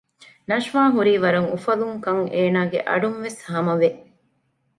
ނަޝްވާ ހުރީ ވަރަށް އުފަލުންކަން އޭނާގެ އަޑުންވެސް ހާމަވެ